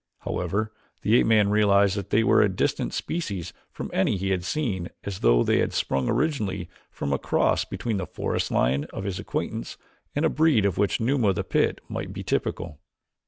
However, the ape man realized that they were a distinct species from any he had seen as though they had sprung originally from a cross between the forest lion of his acquaintance and a breed of which Numa of the pit might be typical.